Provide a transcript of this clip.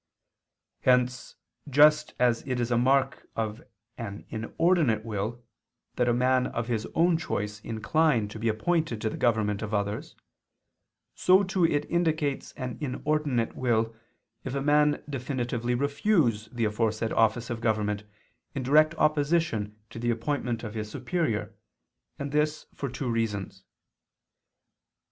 Hence just as it is a mark of an inordinate will that a man of his own choice incline to be appointed to the government of others, so too it indicates an inordinate will if a man definitively refuse the aforesaid office of government in direct opposition to the appointment of his superior: and this for two reasons.